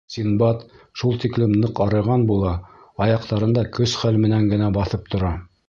Синдбад шул тиклем ныҡ арыған була, аяҡтарында көс-хәл менән генә баҫып тора.